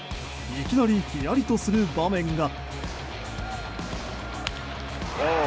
いきなり、ヒヤリとする場面が。